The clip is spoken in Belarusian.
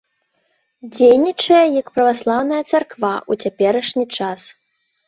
Дзейнічае як праваслаўная царква ў цяперашні час.